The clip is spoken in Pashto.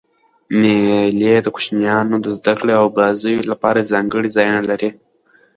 مېلې د کوچنيانو د زدهکړي او بازيو له پاره ځانګړي ځایونه لري.